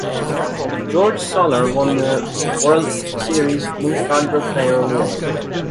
Jorge Soler won the World Series Most Valuable Player Award.